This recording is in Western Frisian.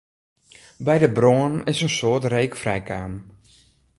By de brân is in soad reek frijkaam.